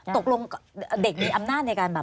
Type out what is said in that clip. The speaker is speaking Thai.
ตกลงเด็กมีอำนาจในการแบบ